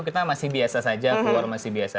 kita masih biasa saja keluar masih biasa